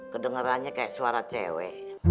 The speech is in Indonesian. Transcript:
kedengerannya kayak suara cewe